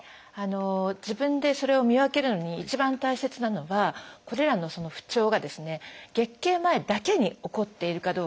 自分でそれを見分けるのに一番大切なのはこれらの不調が月経前だけに起こっているかどうか。